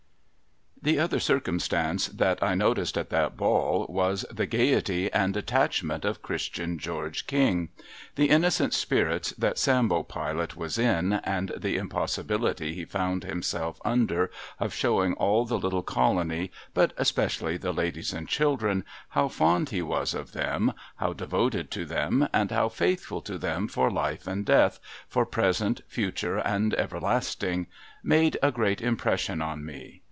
'l"he other circumstance that 1 noticed at that ball, was, the gaiety and attachment of Christian George King. The innocent spirits that Sambo Pilot was in, and the impossibility he found himself under of showing all the little colony, but especially the ladies and children, how fond he was of them, how devoted to them, and how faithful to them for life and death, for present, future, and everlast ing, made a great impression on me.